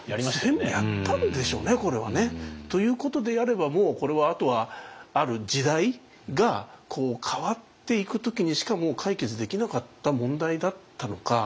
全部やったんでしょうねこれはね。ということであればもうこれはあとはある時代がこう変わっていく時にしか解決できなかった問題だったのか。